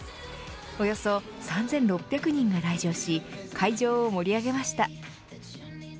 およそ３６００人が来場し会場を盛り上げました。